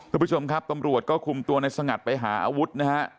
คุณผู้ชมครับตำรวจก็คุมตัวในสงัดไปหาอาวุธนะฮะ